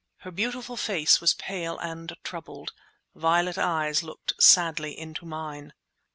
Her beautiful face was pale and troubled. Violet eyes looked sadly into mine.